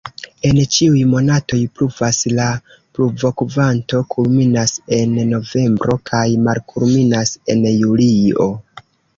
En ĉiuj monatoj pluvas, la pluvokvanto kulminas en novembro kaj malkulminas en julio.